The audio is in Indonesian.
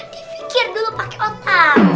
difikir dulu pake otak